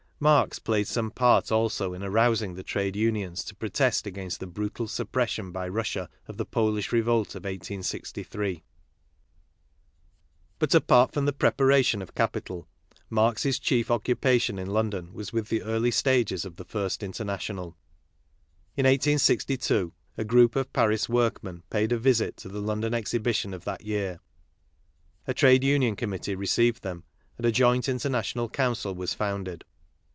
Marx played some part also in arousing the trade unions to protest against the brutal suppression by Russia of the Polish revolt of 1863. But, apart from the preparation of Capital, Marx's chief occupation in London was with the early stages of the First International. In 1862 a group of Paris workmen paid a visit to the London Exhibition of that year. A trade union committee received them and a joint international Council was founded.